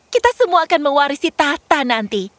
kita semua akan mewarisi tata nanti